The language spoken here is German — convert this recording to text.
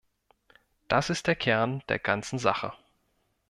Das ist der Kern der ganzen Sache.